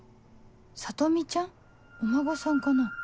里美ちゃん？お孫さんかな